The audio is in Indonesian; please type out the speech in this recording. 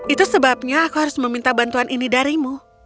itu sebabnya aku harus meminta bantuan ini darimu